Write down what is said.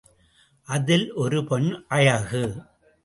அதில் ஒரு பெண் அழகு.